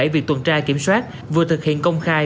việc tuần tra kiểm soát vừa thực hiện công khai